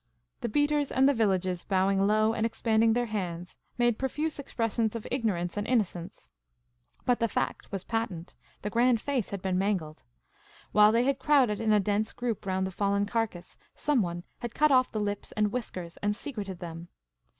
The beaters and the villagers, bowing low and expanding their hands, made profuse expressions of ignorance and inno cence. But the fact was patent — the grand face had been mangled. While they had crowded in a dense group round the fallen carcass, somebody had cut off the lips and whiskers and secreted them.